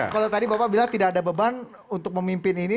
kalau tadi bapak bilang tidak ada beban untuk memimpin ini